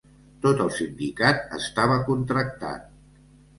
Tot el sindicat estava contractat.